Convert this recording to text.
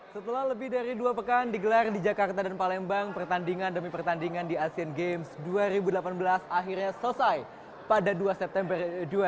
setelah lebih dari dua pekan digelar di jakarta dan palembang pertandingan demi pertandingan di asean games dua ribu delapan belas akhirnya selesai pada dua september dua ribu delapan belas